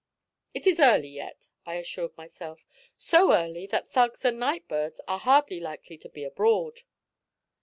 'It is early yet,' I assured myself; 'so early that thugs and night birds are hardly likely to be abroad.'